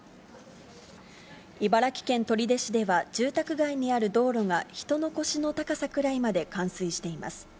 茨城県取手市では、住宅街にある道路が人の腰の高さくらいまで冠水しています。